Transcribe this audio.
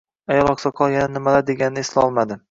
Ayol oqsoqol yana nimalar deganini eslolmaydi.